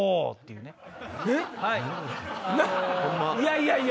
いやいや！